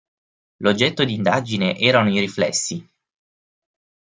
L'oggetto di indagine erano i riflessi.